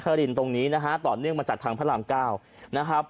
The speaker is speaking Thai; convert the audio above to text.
นักฮานดินตรงนี้ต่อเนื่องมาจากทางพระราณเก้า